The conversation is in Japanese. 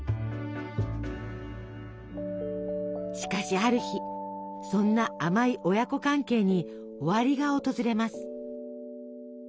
しかしある日そんな甘い親子関係に終わりが訪れます。